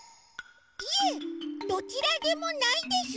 いえどちらでもないです。